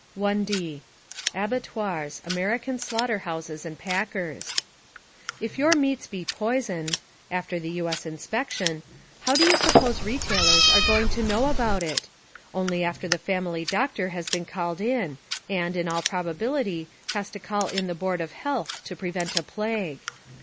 ID. (Abattoirs) American Slaughter Houses and Packers. If your meats are poisoned — after the U. S. Inspection — how do you sup pose retailers are going to know about it? Only after the family doctor has been called in, and, in all probability, has to call in the Board of Health to prevent a plague.